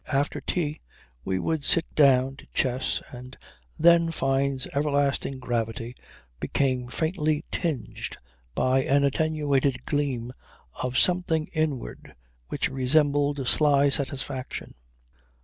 After tea we would sit down to chess and then Fyne's everlasting gravity became faintly tinged by an attenuated gleam of something inward which resembled sly satisfaction.